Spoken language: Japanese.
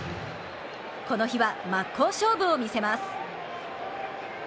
この日は、真っ向勝負を見せます。